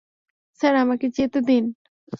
Sir, আমাকে যেতে দিন!